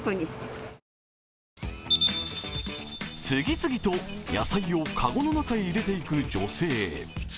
次々と野菜を籠の中へ入れていく女性。